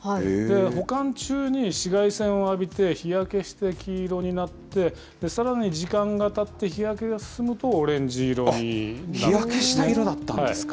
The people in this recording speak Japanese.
保管中に紫外線を浴びて、日焼けして黄色になって、さらに時間がたって、日焼けが進むとオレンジ色になるんですね。